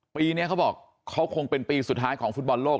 ปีนี้เขาบอกเขาคงเป็นปีสุดท้ายของฟุตบอลโลก